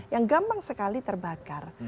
yang gampang sekali terbakar